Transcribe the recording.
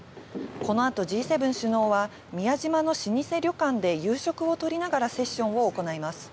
このあとＧ７首脳は、宮島の老舗旅館で夕食をとりながらセッションを行います。